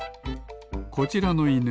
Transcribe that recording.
こちらのいぬ